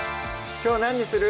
きょう何にする？